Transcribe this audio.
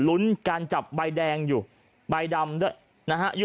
หลุนการจับใบแดงอยู่ใบดำด้วย